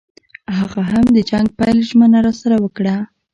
هغه هم د جنګ پیل ژمنه راسره وکړه.